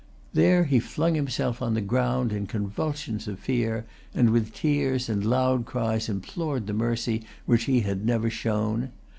There he flung himself on the ground in convulsions of fear, and with tears and loud cries implored the mercy which he had never shown.